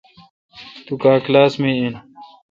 توکاں کلاس می این۔